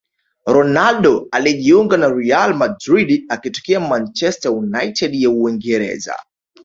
ronaldo alijiunga na real madrid akitokea manchester united ya uingereza